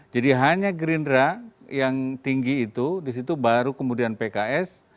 jadi hanya gerindra yang tinggi itu disitu baru kemudian pks